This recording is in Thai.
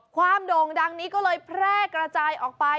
โด่งดังนี้ก็เลยแพร่กระจายออกไป